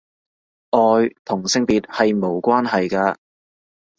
愛同性別係無關係㗎